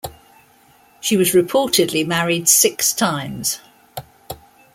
She was reportedly married six times.